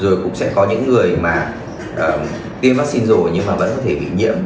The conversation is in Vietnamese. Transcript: rồi cũng sẽ có những người mà tiêm vaccine rồi nhưng mà vẫn có thể bị nhiễm